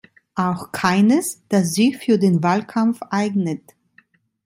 Auch keines, das sich für den Wahlkampf eignet.